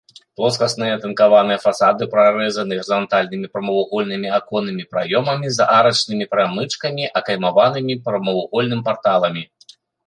Плоскасныя атынкаваныя фасады прарэзаны гарызантальнымі прамавугольнымі аконнымі праёмамі з арачнымі перамычкамі, акаймаванымі прамавугольным парталамі.